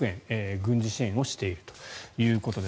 軍事支援をしているということです。